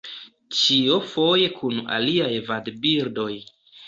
Ĉio foje kun aliaj vadbirdoj.